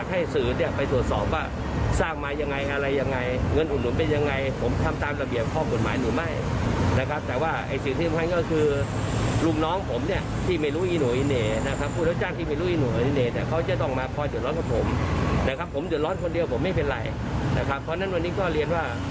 ผมเดี๋ยวร้อนคนเดียวผมไม่เป็นไรนะครับเพราะฉะนั้นวันนี้ก็เรียนว่า